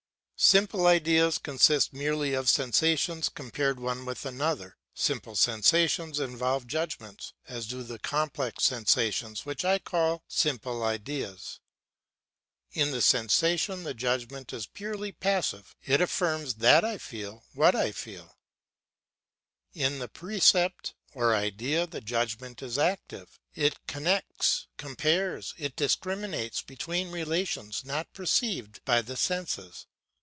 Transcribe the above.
Simple ideas consist merely of sensations compared one with another. Simple sensations involve judgments, as do the complex sensations which I call simple ideas. In the sensation the judgment is purely passive; it affirms that I feel what I feel. In the percept or idea the judgment is active; it connects, compares, it discriminates between relations not perceived by the senses.